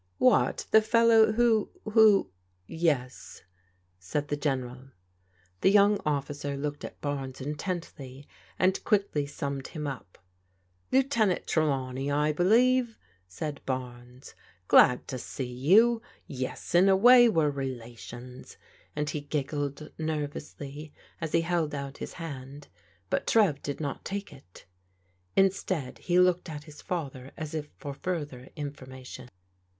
"What, the fellow who— who?'* " Yes," said the General. The young officer looked at Barnes intently and quickly stmimed him up. ''lieutenant Trelawney, I believe^' %iA "^^tta:^. 282 PRODIGAL DAUGHTEBS " Glad to sec yovL Yes, in a way we're relations/' and he giggled nervously as he held out his hand: but Trev did not take it : instead he looked at his father as if for further information.